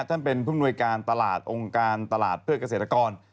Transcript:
ท่านเป็นผู้มนวยการตลาดองค์การตลาดเพื่อเกษตรกร